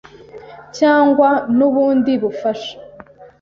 cyangwa n’ubundi bufasha